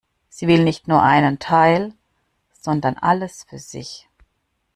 Sie will nicht nur einen Teil, sondern alles für sich.